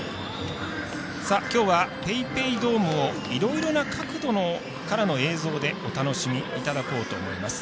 きょうはＰａｙＰａｙドームをいろいろな角度からの映像でお楽しみいただこうと思います。